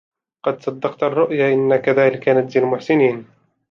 قَدْ صَدَّقْتَ الرُّؤْيَا إِنَّا كَذَلِكَ نَجْزِي الْمُحْسِنِينَ